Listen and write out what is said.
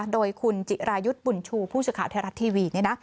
โดยคุณจิรายุทธ์บุญชูผู้สื่อข่าวไทยรัฐทีวี